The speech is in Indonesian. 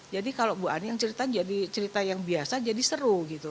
jadi kalau ibu ani yang cerita jadi cerita yang biasa jadi seru gitu